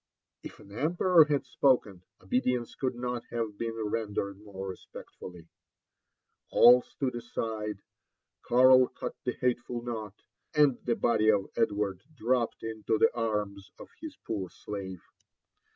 If an emperor had spoken, obedience could not have been rendered more respectfully; Air stood aside; Karl cut the hateful knot, and the body of Edward dropped into the arms of his poor slave.